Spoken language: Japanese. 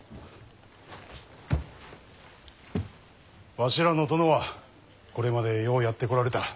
わしらの殿はこれまでようやってこられた。